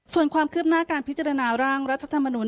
ส่วนความคืบหน้าการพิจารณาร่างรัฐธรรมนุน